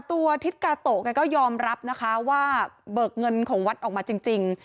ทิศกาโตะแกก็ยอมรับนะคะว่าเบิกเงินของวัดออกมาจริง